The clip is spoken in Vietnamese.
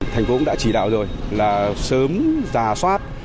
thành cũng đã chỉ đạo rồi là sớm ra soát